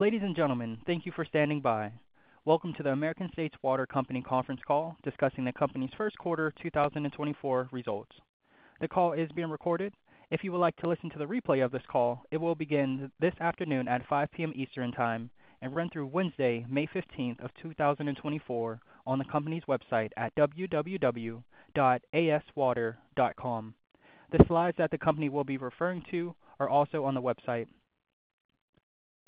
Ladies and gentlemen, thank you for standing by. Welcome to the American States Water Company conference call, discussing the company's first quarter of 2024 results. The call is being recorded. If you would like to listen to the replay of this call, it will begin this afternoon at 5:00 P.M. Eastern Time and run through Wednesday, May 15th, 2024, on the company's website at www.aswater.com. The slides that the company will be referring to are also on the website.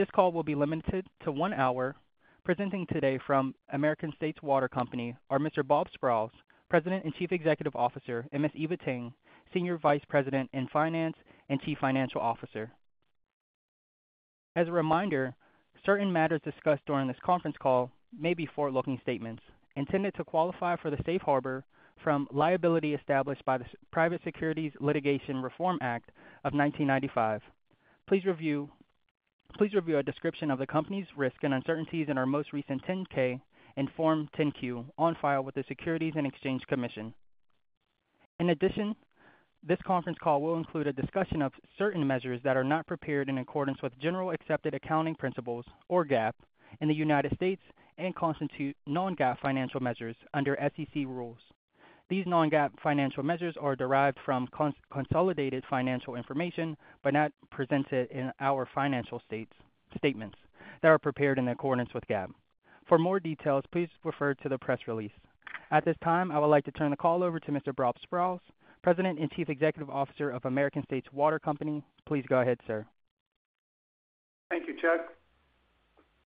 This call will be limited to one hour. Presenting today from American States Water Company are Mr. Bob Sprowls, President and Chief Executive Officer, and Ms. Eva Tang, Senior Vice President in Finance and Chief Financial Officer. As a reminder, certain matters discussed during this conference call may be forward-looking statements intended to qualify for the safe harbor from liability established by the Private Securities Litigation Reform Act of 1995. Please review a description of the company's risk and uncertainties in our most recent 10-K and Form 10-Q on file with the Securities and Exchange Commission. In addition, this conference call will include a discussion of certain measures that are not prepared in accordance with generally accepted accounting principles, or GAAP, in the United States and constitute non-GAAP financial measures under SEC rules. These non-GAAP financial measures are derived from consolidated financial information, but not presented in our financial statements that are prepared in accordance with GAAP. For more details, please refer to the press release. At this time, I would like to turn the call over to Mr. Bob Sprowls, President and Chief Executive Officer of American States Water Company. Please go ahead, sir. Thank you, Chuck.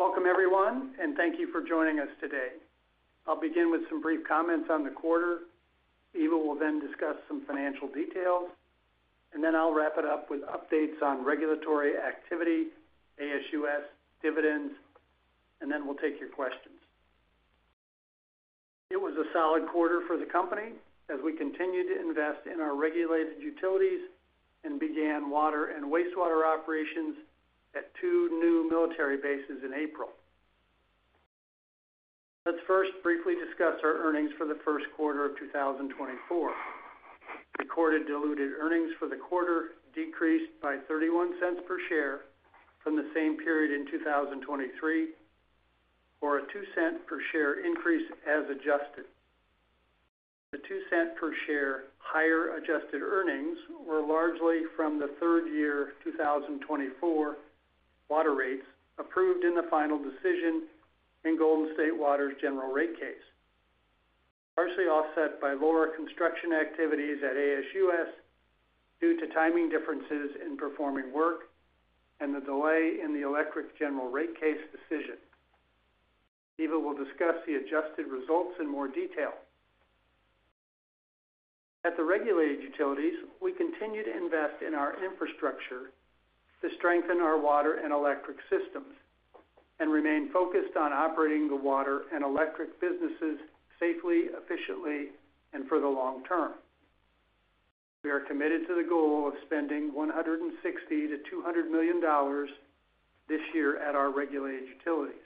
Welcome, everyone, and thank you for joining us today. I'll begin with some brief comments on the quarter. Eva will then discuss some financial details, and then I'll wrap it up with updates on regulatory activity, ASUS, dividends, and then we'll take your questions. It was a solid quarter for the company as we continued to invest in our regulated utilities and began water and wastewater operations at two new military bases in April. Let's first briefly discuss our earnings for the first quarter of 2024. Recorded diluted earnings for the quarter decreased by $0.31 per share from the same period in 2023, or a $0.02 per share increase as adjusted. The $0.02 per share higher adjusted earnings were largely from the third year, 2024 water rates, approved in the final decision in Golden State Water's general rate case, partially offset by lower construction activities at ASUS due to timing differences in performing work and the delay in the electric general rate case decision. Eva will discuss the adjusted results in more detail. At the regulated utilities, we continue to invest in our infrastructure to strengthen our water and electric systems and remain focused on operating the water and electric businesses safely, efficiently, and for the long term. We are committed to the goal of spending $160 million-$200 million this year at our regulated utilities.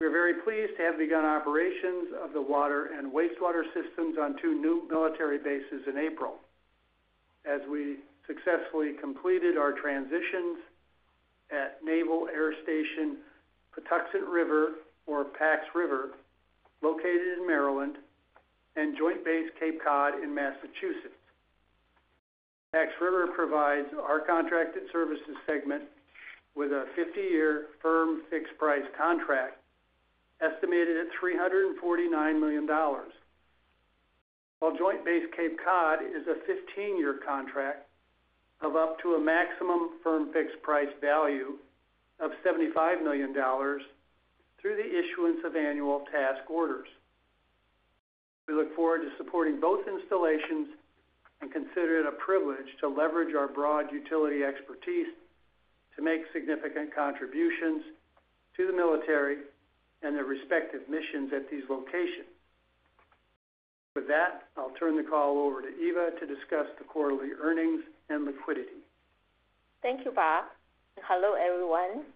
We're very pleased to have begun operations of the water and wastewater systems on two new military bases in April, as we successfully completed our transitions at Naval Air Station Patuxent River, or Pax River, located in Maryland, and Joint Base Cape Cod in Massachusetts. Pax River provides our contracted services segment with a 50-year firm fixed price contract, estimated at $349 million. While Joint Base Cape Cod is a 15-year contract of up to a maximum firm fixed price value of $75 million through the issuance of annual task orders. We look forward to supporting both installations and consider it a privilege to leverage our broad utility expertise to make significant contributions to the military and their respective missions at these locations. With that, I'll turn the call over to Eva to discuss the quarterly earnings and liquidity. Thank you, Bob. Hello, everyone.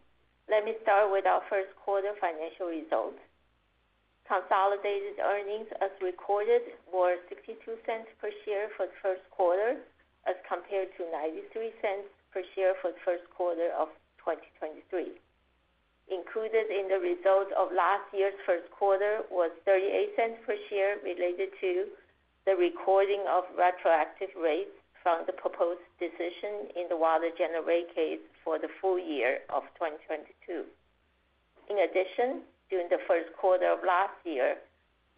Let me start with our first quarter financial results. Consolidated earnings, as recorded, were $0.62 per share for the first quarter, as compared to $0.93 per share for the first quarter of 2023. Included in the results of last year's first quarter was $0.38 per share related to the recording of retroactive rates from the proposed decision in the water general rate case for the full year of 2022. In addition, during the first quarter of last year,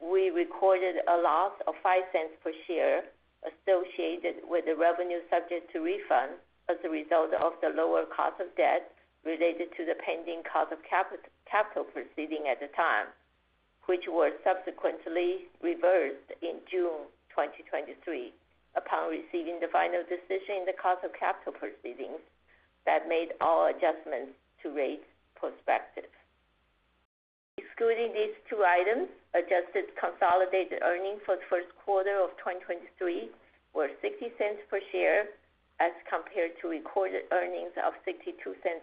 we recorded a loss of $0.05 per share associated with the revenue subject to refund as a result of the lower cost of debt related to the pending cost of capital proceeding at the time, which was subsequently reversed in June 2023 upon receiving the final decision in the cost of capital proceedings that made all adjustments to rates prospective. Excluding these two items, adjusted consolidated earnings for the first quarter of 2023 were $0.60 per share, as compared to recorded earnings of $0.62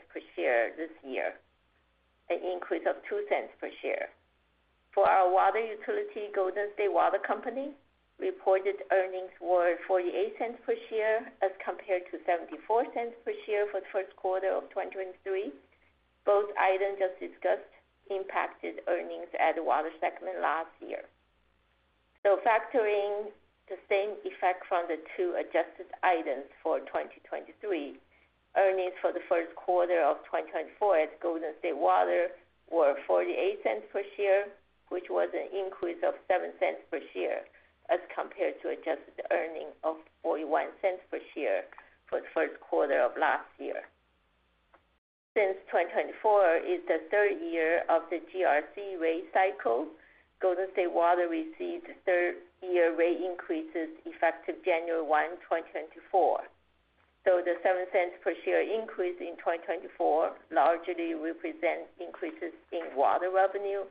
per share this year, an increase of $0.02 per share. For our water utility, Golden State Water Company, reported earnings were $0.48 per share as compared to $0.74 per share for the first quarter of 2023. Both items just discussed impacted earnings at the water segment last year. So factoring the same effect from the two adjusted items for 2023, earnings for the first quarter of 2024 at Golden State Water were $0.48 per share, which was an increase of $0.07 per share, as compared to adjusted earnings of $0.41 per share for the first quarter of last year. Since 2024 is the third year of the GRC rate cycle, Golden State Water received third-year rate increases effective January 1, 2024. So the $0.07 per share increase in 2024 largely represents increases in water revenue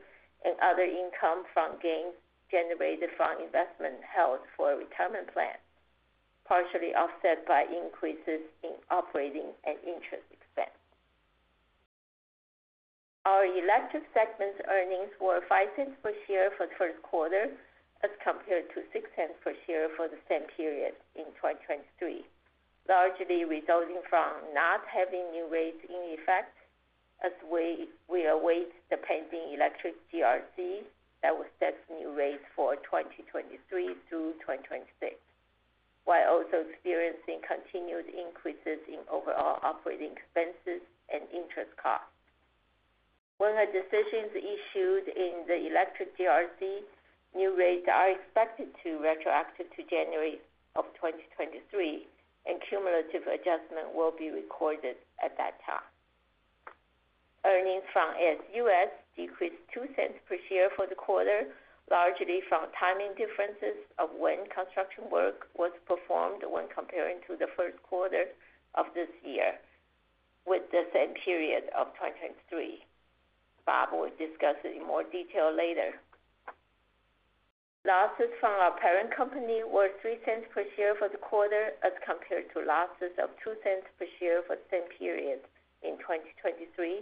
and other income from gains generated from investment held for a retirement plan, partially offset by increases in operating and interest expense. Our electric segment earnings were $0.05 per share for the first quarter, as compared to $0.06 per share for the same period in 2023, largely resulting from not having new rates in effect as we await the pending electric GRC that will set new rates for 2023-2026, while also experiencing continued increases in overall operating expenses and interest costs. When the decision is issued in the electric GRC, new rates are expected to be retroactive to January of 2023, and a cumulative adjustment will be recorded at that time. Earnings from ASUS decreased $0.02 per share for the quarter, largely from timing differences of when construction work was performed when comparing the first quarter of this year with the same period of 2023. Bob will discuss it in more detail later. Losses from our parent company were $0.03 per share for the quarter, as compared to losses of $0.02 per share for the same period in 2023,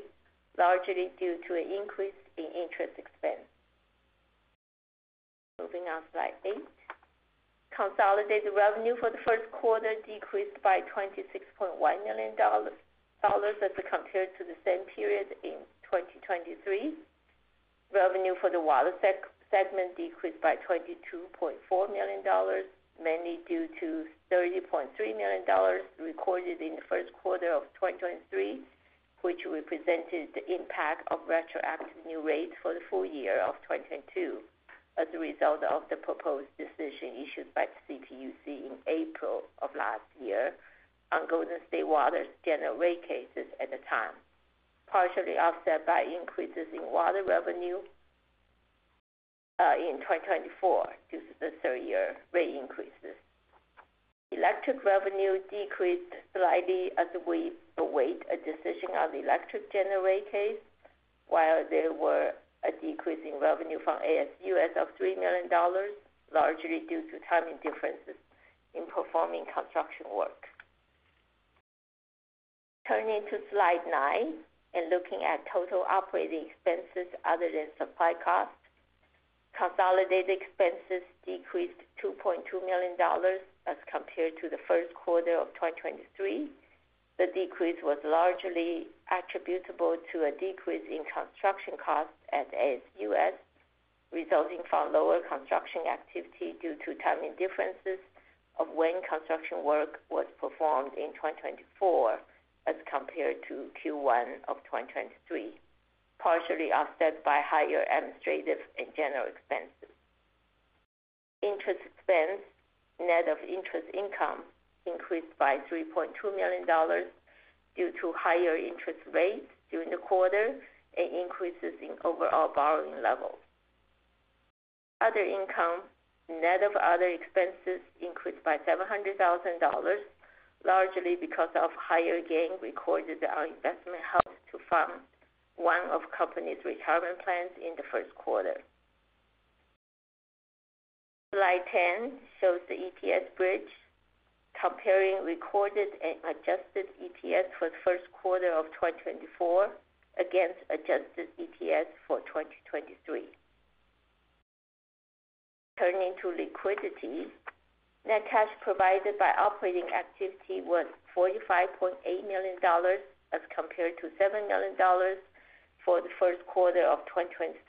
largely due to an increase in interest expense. Moving on to slide eight. Consolidated revenue for the first quarter decreased by $26.1 million as compared to the same period in 2023. Revenue for the water segment decreased by $22.4 million, mainly due to $30.3 million recorded in the first quarter of 2023, which represented the impact of retroactive new rates for the full year of 2022 as a result of the proposed decision issued by the CPUC in April of last year on Golden State Water's general rate cases at the time, partially offset by increases in water revenue in 2024 due to the third-year rate increases. Electric revenue decreased slightly as we await a decision on the electric general rate case, while there was a decrease in revenue from ASUS of $3 million, largely due to timing differences in performing construction work. Turning to slide nine and looking at total operating expenses other than supply costs. Consolidated expenses decreased $2.2 million as compared to the first quarter of 2023. The decrease was largely attributable to a decrease in construction costs at ASUS, resulting from lower construction activity due to timing differences of when construction work was performed in 2024 as compared to Q1 of 2023, partially offset by higher administrative and general expenses. Interest expense, net of interest income, increased by $3.2 million due to higher interest rates during the quarter and increases in overall borrowing levels. Other income, net of other expenses, increased by $700,000, largely because of higher gains recorded on investment held to fund one of company's retirement plans in the first quarter. Slide 10 shows the EPS bridge comparing recorded and adjusted EPS for the first quarter of 2024 against adjusted EPS for 2023. Turning to liquidity, net cash provided by operating activity was $45.8 million, as compared to $7 million for the first quarter of 2023.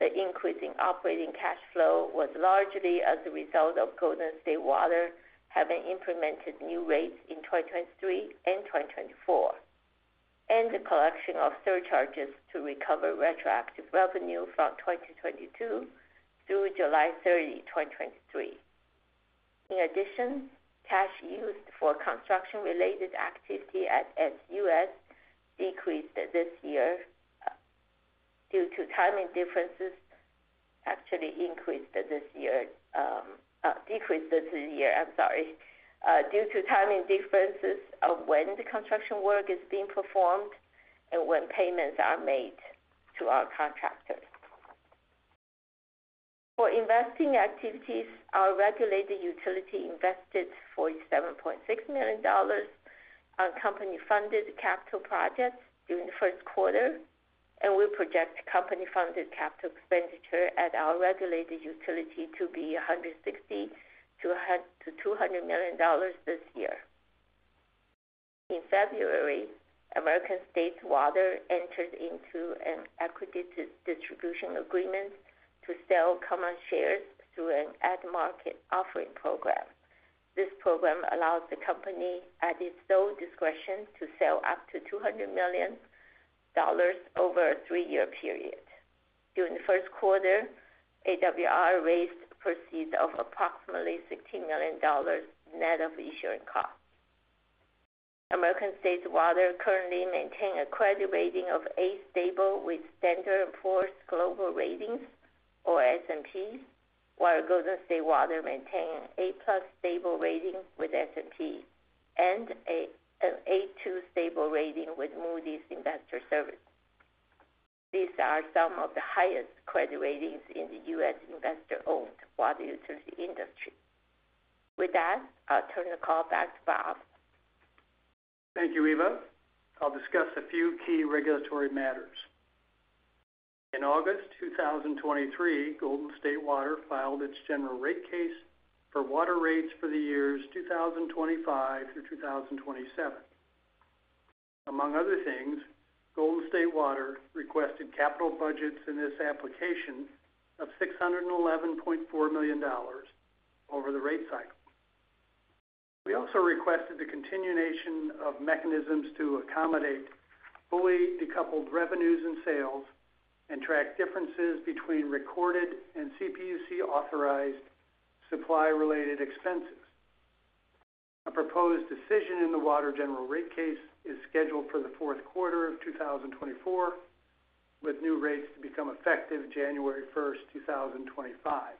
The increase in operating cash flow was largely as a result of Golden State Water having implemented new rates in 2023 and 2024, and the collection of surcharges to recover retroactive revenue from 2022 through July 30, 2023. In addition, cash used for construction-related activity at ASUS decreased this year due to timing differences, actually increased this year, decreased this year, I'm sorry, due to timing differences of when the construction work is being performed and when payments are made to our contractors. For investing activities, our regulated utility invested $47.6 million on company-funded capital projects during the first quarter, and we project company-funded capital expenditure at our regulated utility to be $160 million-$200 million this year. In February, American States Water entered into an equity distribution agreement to sell common shares through an at-market offering program. This program allows the company, at its sole discretion, to sell up to $200 million over a three-year period. During the first quarter, AWR raised proceeds of approximately $16 million, net of issuing costs. American States Water currently maintain a credit rating of A, stable with Standard & Poor's Global Ratings, or S&P, while Golden State Water maintains A+ stable rating with S&P and an A2 stable rating with Moody's Investors Service. These are some of the highest credit ratings in the U.S. investor-owned water utility industry. With that, I'll turn the call back to Bob. Thank you, Eva. I'll discuss a few key regulatory matters. In August 2023, Golden State Water filed its general rate case for water rates for the years 2025-2027. Among other things, Golden State Water requested capital budgets in this application of $611.4 million over the rate cycle. We also requested the continuation of mechanisms to accommodate fully decoupled revenues and sales and track differences between recorded and CPUC-authorized supply-related expenses. A proposed decision in the water general rate case is scheduled for the fourth quarter of 2024, with new rates to become effective January 1st, 2025.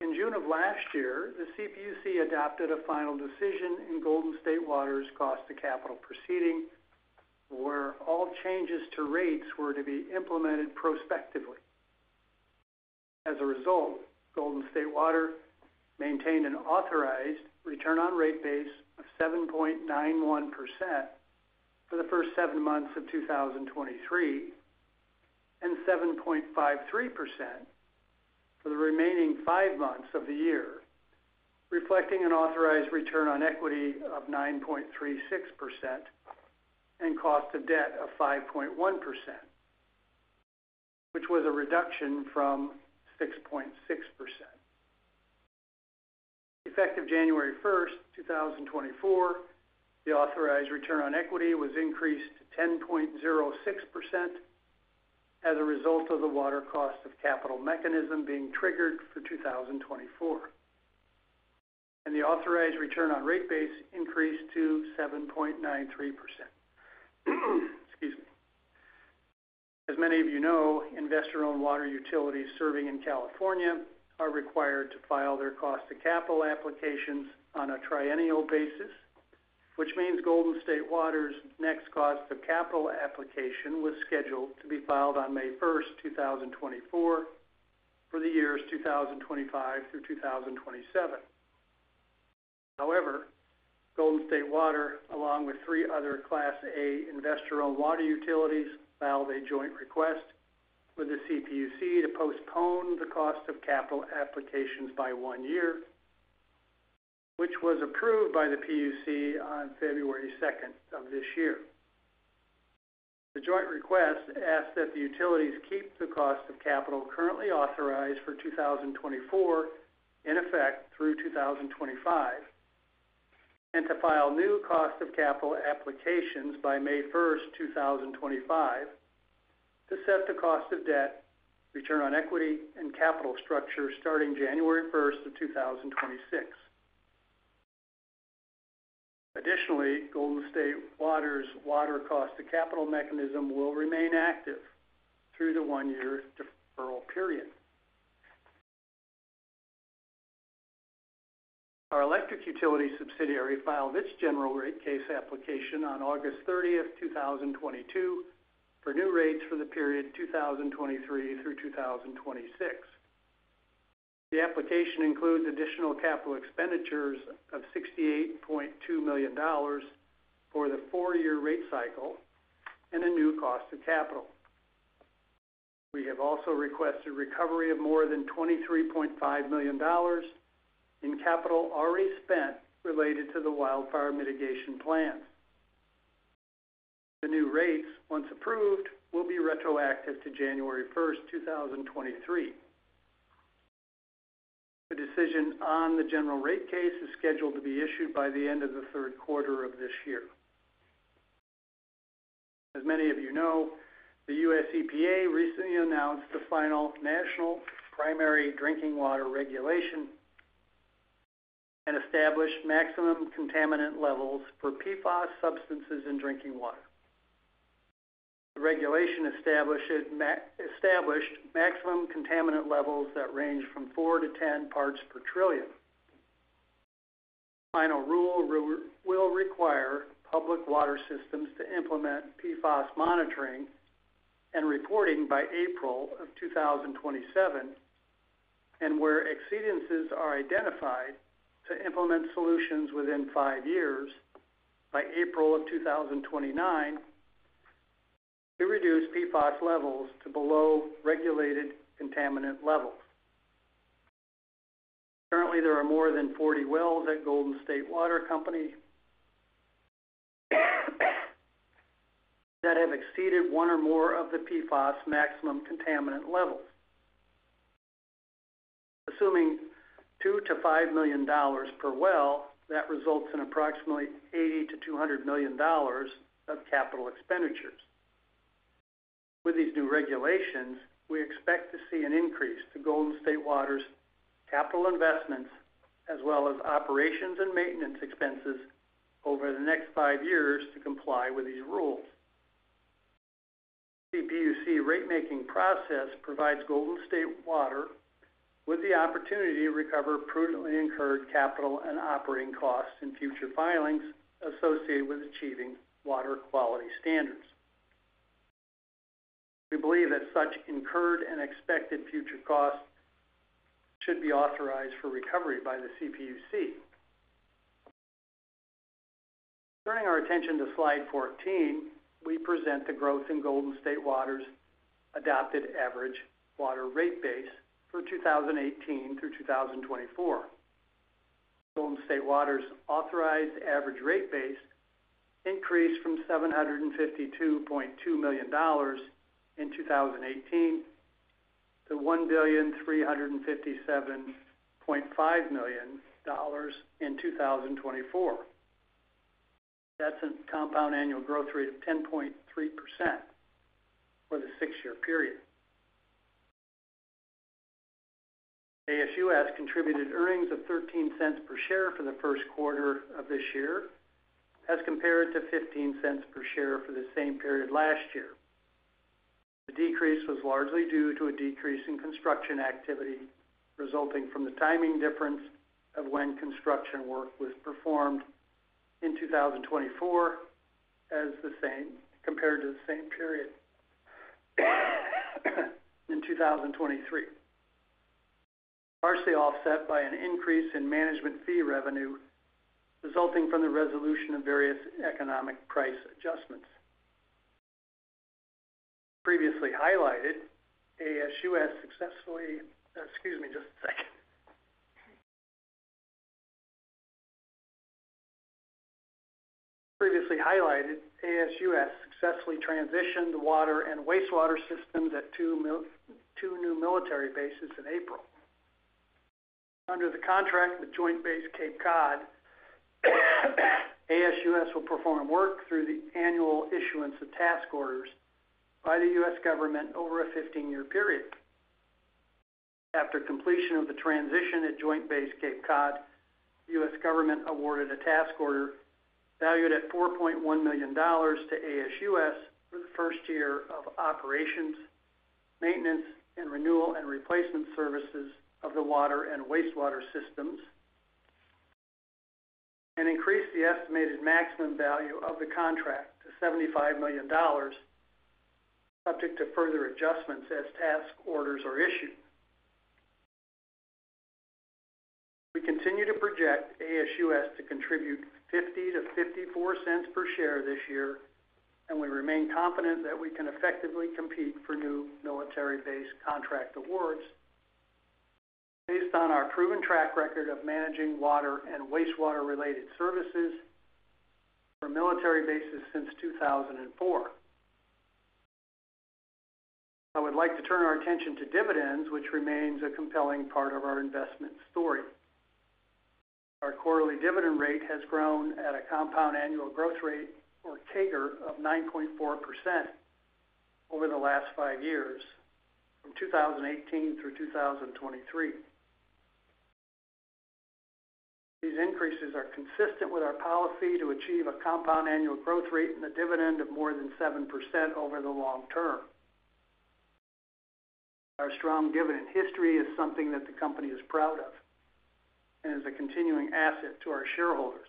In June of last year, the CPUC adopted a final decision in Golden State Water's cost of capital proceeding, where all changes to rates were to be implemented prospectively. As a result, Golden State Water maintained an authorized return on rate base of 7.91% for the first 7 months of 2023, and 7.53% for the remaining 5 months of the year, reflecting an authorized return on equity of 9.36% and cost of debt of 5.1%, which was a reduction from 6.6%. Effective January 1st, 2024, the authorized return on equity was increased to 10.06% as a result of the Water Cost of Capital Mechanism being triggered for 2024, and the authorized return on rate base increased to 7.93%. Excuse me. As many of you know, investor-owned water utilities serving in California are required to file their cost of capital applications on a triennial basis, which means Golden State Water's next cost of capital application was scheduled to be filed on May 1st, 2024, for the years 2025-2027. However, Golden State Water, along with three other Class A investor-owned water utilities, filed a joint request with the CPUC to postpone the cost of capital applications by one year, which was approved by the PUC on February 2nd of this year. The joint request asked that the utilities keep the cost of capital currently authorized for 2024, in effect through 2025, and to file new cost of capital applications by May 1st, 2025, to set the cost of debt, return on equity, and capital structure starting January 1st, 2026. Additionally, Golden State Water's Water Cost of Capital Mechanism will remain active through the one-year deferral period. Our electric utility subsidiary filed its general rate case application on August 30th, 2022, for new rates for the period 2023-2026. The application includes additional capital expenditures of $68.2 million for the four-year rate cycle and a new cost of capital. We have also requested recovery of more than $23.5 million in capital already spent related to the wildfire mitigation plan. The new rates, once approved, will be retroactive to January 1st, 2023. The decision on the general rate case is scheduled to be issued by the end of the third quarter of this year. As many of you know, the US EPA recently announced the final National Primary Drinking Water Regulation and established maximum contaminant levels for PFAS substances in drinking water. The regulation established maximum contaminant levels that range from 4-10 parts per trillion. The final rule will require public water systems to implement PFAS monitoring and reporting by April of 2027, and where exceedances are identified to implement solutions within five years by April of 2029, to reduce PFAS levels to below regulated contaminant levels. Currently, there are more than 40 wells at Golden State Water Company that have exceeded one or more of the PFAS maximum contaminant levels. Assuming $2 million-$5 million per well, that results in approximately $80 million-$200 million of capital expenditures. With these new regulations, we expect to see an increase to Golden State Water's capital investments, as well as operations and maintenance expenses over the next five years to comply with these rules. CPUC rate making process provides Golden State Water with the opportunity to recover prudently incurred capital and operating costs in future filings associated with achieving water quality standards. We believe that such incurred and expected future costs should be authorized for recovery by the CPUC. Turning our attention to slide 14, we present the growth in Golden State Water's adopted average water rate base for 2018-2024. Golden State Water's authorized average rate base increased from $752.2 million in 2018 to $1,357,500,000 in 2024. That's a compound annual growth rate of 10.3% for the six-year period. ASUS contributed earnings of $0.13 per share for the first quarter of this year, as compared to $0.15 per share for the same period last year. The decrease was largely due to a decrease in construction activity, resulting from the timing difference of when construction work was performed in 2024 compared to the same period in 2023. Largely offset by an increase in management fee revenue resulting from the resolution of various economic price adjustments. Previously highlighted, ASUS successfully transitioned the water and wastewater systems at two new military bases in April. Under the contract with Joint Base Cape Cod, ASUS will perform work through the annual issuance of task orders by the U.S. government over a 15-year period. After completion of the transition at Joint Base Cape Cod, U.S. government awarded a task order valued at $4.1 million to ASUS for the first year of operations, maintenance, and renewal and replacement services of the water and wastewater systems, and increased the estimated maximum value of the contract to $75 million, subject to further adjustments as task orders are issued. We continue to project ASUS to contribute $0.50-$0.54 per share this year, and we remain confident that we can effectively compete for new military base contract awards based on our proven track record of managing water and wastewater-related services for military bases since 2004. I would like to turn our attention to dividends, which remains a compelling part of our investment story. Our quarterly dividend rate has grown at a compound annual growth rate, or CAGR, of 9.4% over the last five years, from 2018-2023. These increases are consistent with our policy to achieve a compound annual growth rate and a dividend of more than 7% over the long term. Our strong dividend history is something that the company is proud of and is a continuing asset to our shareholders.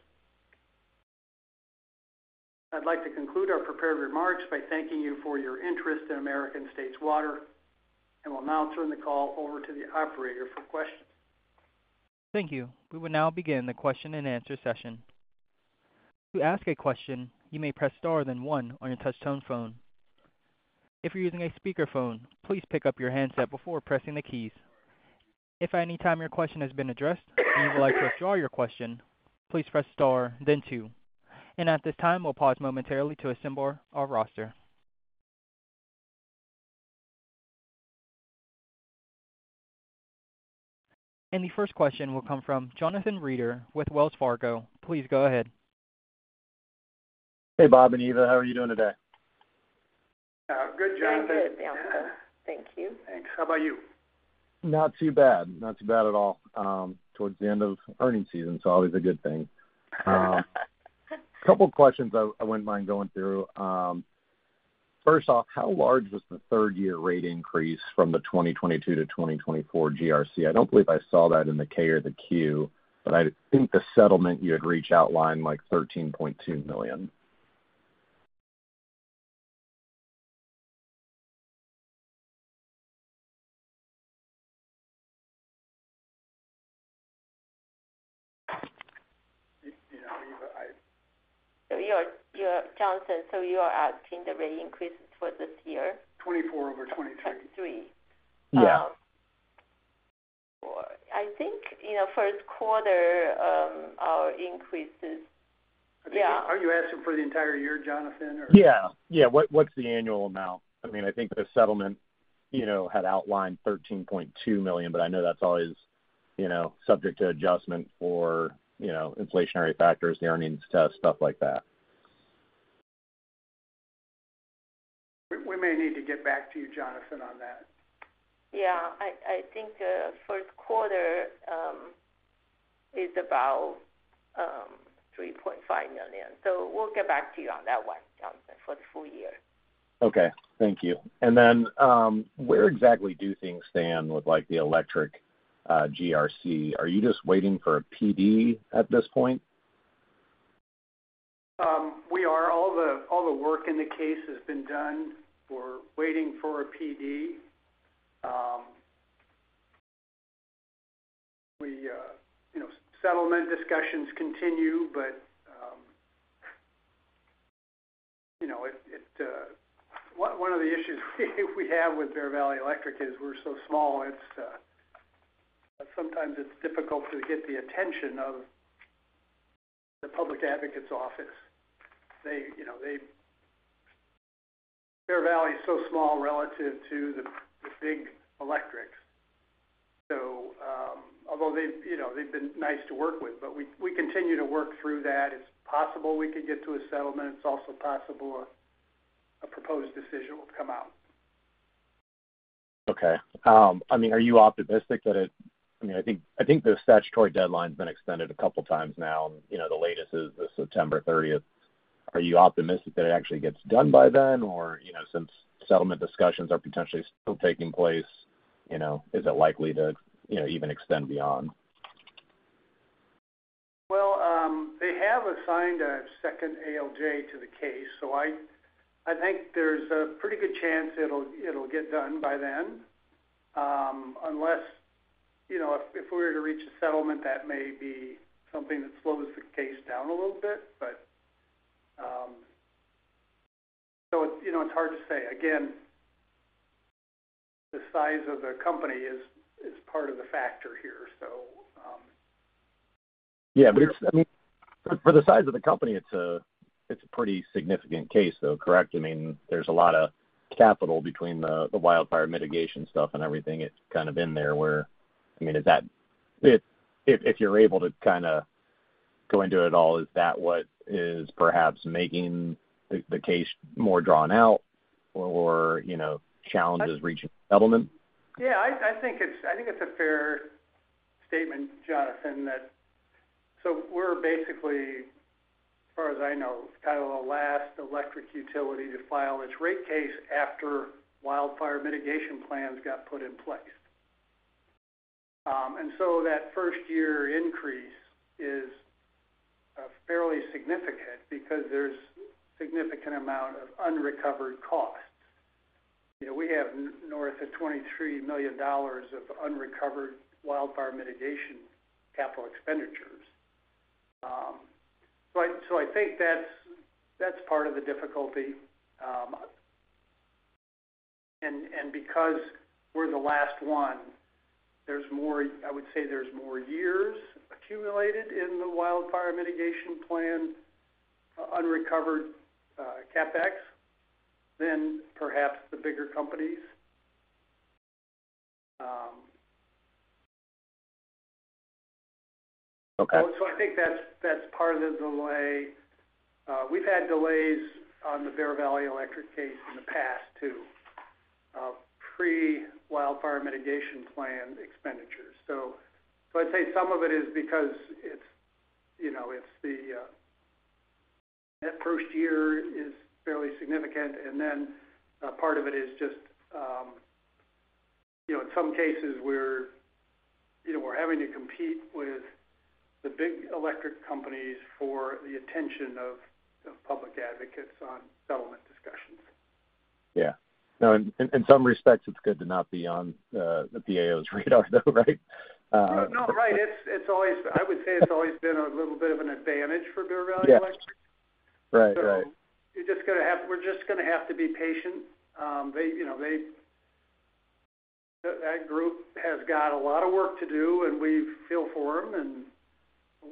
I'd like to conclude our prepared remarks by thanking you for your interest in American States Water, and will now turn the call over to the operator for questions. Thank you. We will now begin the question and answer session. To ask a question, you may press star, then one on your touchtone phone. If you're using a speakerphone, please pick up your handset before pressing the keys. If at any time your question has been addressed, and you would like to withdraw your question, please press star then two. At this time, we'll pause momentarily to assemble our roster. The first question will come from Jonathan Reeder with Wells Fargo. Please go ahead. Hey, Bob and Eva, how are you doing today? Good, Jonathan. Very good, thank you. Thanks. How about you? Not too bad. Not too bad at all. Towards the end of earnings season, so always a good thing. Couple questions I, I wouldn't mind going through. First off, how large was the third year rate increase from the 2022-2024 GRC? I don't believe I saw that in the K or the Q, but I think the settlement you had reached outlined like $13.2 million. You know, So you're, you're Jonathan, so you are asking the rate increases for this year? 2024 over 2023. Three. Yeah. I think, you know, first quarter, our increases- I think, aren't you asking for the entire year, Jonathan, or? Yeah, yeah. What, what's the annual amount? I mean, I think the settlement, you know, had outlined $13.2 million, but I know that's always, you know, subject to adjustment for, you know, inflationary factors, the earnings test, stuff like that. We may need to get back to you, Jonathan, on that. Yeah, I think first quarter is about $3.5 million. So we'll get back to you on that one, Jonathan, for the full year. Okay, thank you. And then, where exactly do things stand with like the electric GRC? Are you just waiting for a PD at this point? All the work in the case has been done. We're waiting for a PD. You know, settlement discussions continue, but, you know, one of the issues we have with Bear Valley Electric is we're so small, it's sometimes difficult to get the attention of the Public Advocates Office. They, you know, they, Bear Valley is so small relative to the big electrics. So, although they've, you know, they've been nice to work with, but we continue to work through that. It's possible we could get to a settlement. It's also possible a proposed decision will come out. Okay. I mean, are you optimistic that it... I mean, I think, I think the statutory deadline's been extended a couple times now, and, you know, the latest is the September thirtieth. Are you optimistic that it actually gets done by then? Or, you know, since settlement discussions are potentially still taking place, you know, is it likely to, you know, even extend beyond? Well, they have assigned a second ALJ to the case, so I think there's a pretty good chance it'll get done by then. Unless, you know, if we were to reach a settlement, that may be something that slows the case down a little bit. But, so it's, you know, it's hard to say. Again, the size of the company is part of the factor here, so, Yeah, but it's, I mean, for the size of the company, it's a pretty significant case though, correct? I mean, there's a lot of capital between the wildfire mitigation stuff and everything. It's kind of in there where, I mean, is that—if you're able to kind of go into it all, is that what is perhaps making the case more drawn out or, you know, challenges reaching settlement? Yeah, I, I think it's, I think it's a fair statement, Jonathan, that so we're basically, as far as I know, kind of the last electric utility to file its rate case after wildfire mitigation plans got put in place. And so that first year increase is fairly significant because there's significant amount of unrecovered costs. You know, we have north of $23 million of unrecovered wildfire mitigation capital expenditures. So I, so I think that's, that's part of the difficulty. And, and because we're the last one, there's more, I would say there's more years accumulated in the wildfire mitigation plan, unrecovered, CapEx than perhaps the bigger companies. Okay. So I think that's, that's part of the delay. We've had delays on the Bear Valley Electric case in the past, too, of pre-wildfire mitigation plan expenditures. So I'd say some of it is because it's, you know, it's that first year is fairly significant, and then part of it is just, you know, in some cases we're, you know, we're having to compete with the big electric companies for the attention of Public Advocates on settlement discussions. Yeah. No, in some respects, it's good to not be on the PAO's radar, though, right? No, right. It's, it's always, I would say it's always been a little bit of an advantage for Bear Valley Electric. Yeah. Right. Right. So we're just gonna have to be patient. They, you know, that group has got a lot of work to do, and we feel for them, and,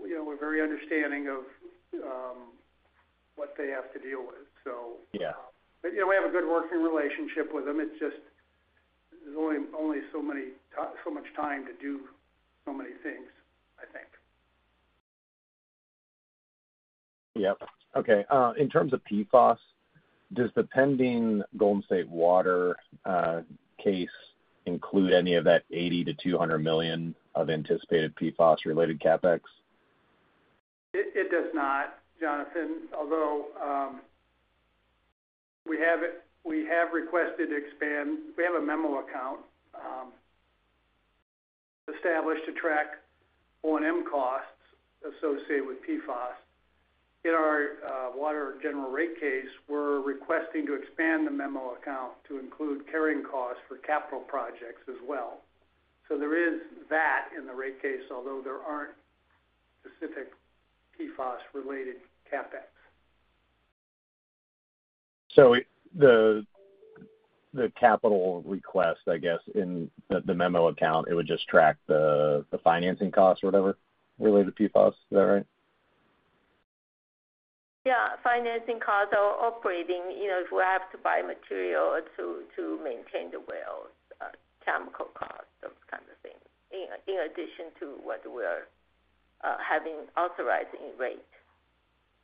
you know, we're very understanding of what they have to deal with, so. Yeah. You know, we have a good working relationship with them. It's just, there's only so much time to do so many things, I think. Yep. Okay, in terms of PFAS. Does the pending Golden State Water case include any of that $80 million-$200 million of anticipated PFAS-related CapEx? It does not, Jonathan, although we have it—we have requested to expand. We have a memo account established to track O&M costs associated with PFAS. In our water general rate case, we're requesting to expand the memo account to include carrying costs for capital projects as well. So there is that in the rate case, although there aren't specific PFAS-related CapEx. The capital request, I guess, in the memo account, it would just track the financing costs or whatever related to PFAS. Is that right? Yeah, financing costs or operating, you know, if we have to buy material to maintain the wells, chemical costs, those kinds of things, in addition to what we are having authorized in rate.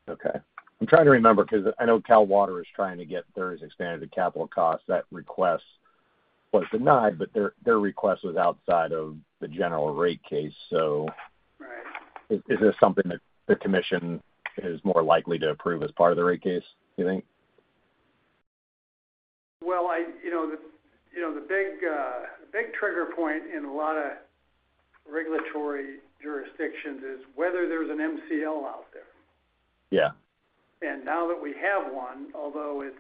Okay. I'm trying to remember, 'cause I know Cal Water is trying to get theirs expanded to capital costs. That request was denied, but their, their request was outside of the general rate case, so- Right. Is this something that the commission is more likely to approve as part of the rate case, do you think? Well, you know, the big trigger point in a lot of regulatory jurisdictions is whether there's an MCL out there. Yeah. Now that we have one, although it's,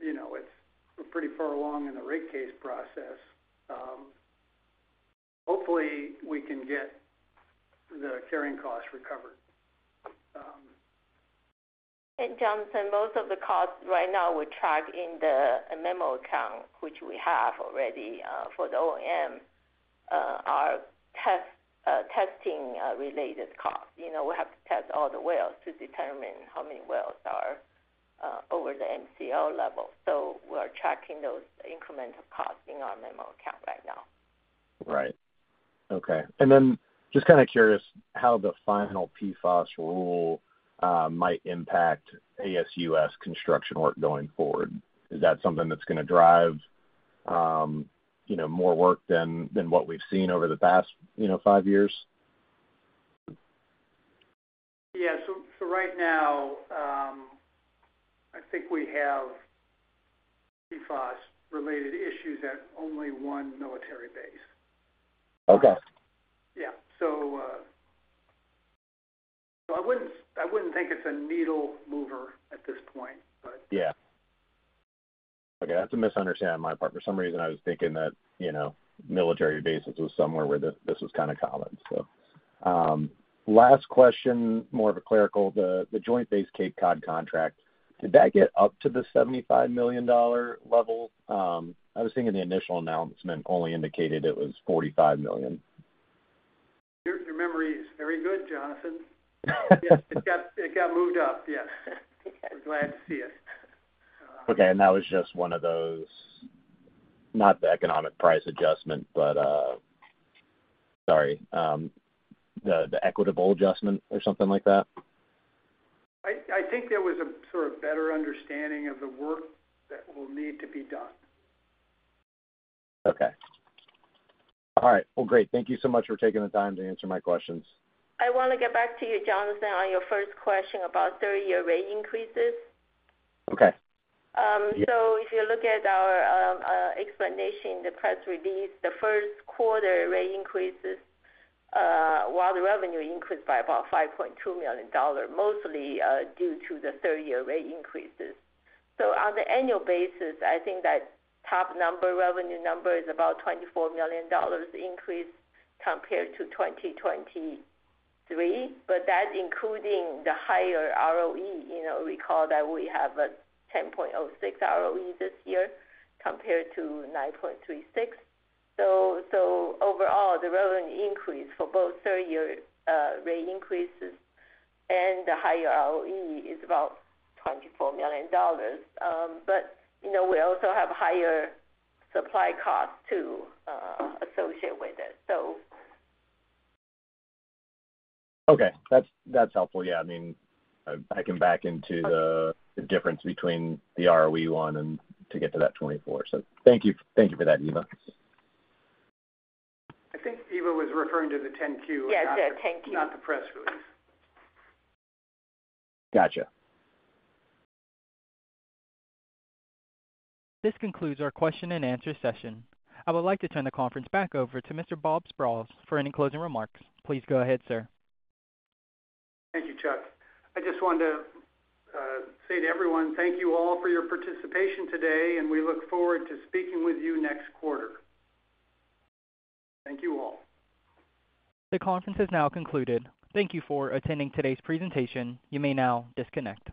you know, it's pretty far along in the rate case process, hopefully, we can get the carrying costs recovered. Jonathan, most of the costs right now we track in the memo account, which we have already for the O&M are testing related costs. You know, we have to test all the wells to determine how many wells are over the MCL level. So we're tracking those incremental costs in our memo account right now. Right. Okay. And then just kind of curious how the final PFAS rule might impact ASUS construction work going forward. Is that something that's gonna drive, you know, more work than what we've seen over the past, you know, five years? Yeah. So, so right now, I think we have PFAS-related issues at only one military base. Okay. Yeah. So, so I wouldn't, I wouldn't think it's a needle mover at this point, but- Yeah. Okay, that's a misunderstanding on my part. For some reason, I was thinking that, you know, military bases was somewhere where this, this was kind of common. So, last question, more of a clerical. The Joint Base Cape Cod contract, did that get up to the $75 million level? I was thinking the initial announcement only indicated it was $45 million. Your memory is very good, Jonathan. Yes, it got moved up, yes. We're glad to see it. Okay, and that was just one of those, not the economic price adjustment, but the equitable adjustment or something like that? I think there was a sort of better understanding of the work that will need to be done. Okay. All right. Well, great. Thank you so much for taking the time to answer my questions. I want to get back to you, Jonathan, on your first question about third-year rate increases. Okay. So if you look at our explanation, the press release, the first quarter rate increases, while the revenue increased by about $5.2 million, mostly due to the third-year rate increases. So on the annual basis, I think that top number, revenue number is about $24 million increase compared to 2023, but that's including the higher ROE. You know, recall that we have a 10.06 ROE this year compared to 9.36. So overall, the revenue increase for both third year rate increases and the higher ROE is about $24 million. But you know, we also have higher supply costs, too, associated with it, so. Okay. That's, that's helpful. Yeah, I mean, I can back into the, the difference between the ROE one and to get to that $24 million. So thank you. Thank you for that, Eva. I think Eva was referring to the 10-Q- Yes, sir. 10-Q. Not the press release. Gotcha. This concludes our question and answer session. I would like to turn the conference back over to Mr. Bob Sprowls for any closing remarks. Please go ahead, sir. Thank you, Chuck. I just wanted to say to everyone, thank you all for your participation today, and we look forward to speaking with you next quarter. Thank you, all. The conference has now concluded. Thank you for attending today's presentation. You may now disconnect.